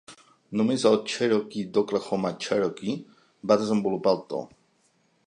Només el cherokee d'Oklahoma Cherokee va desenvolupar el to.